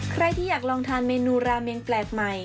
ใครที่อยากลองทานเมนูราเมงแปลกใหม่